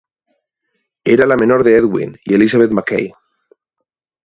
Era la menor de Edwin y Elizabeth McKay.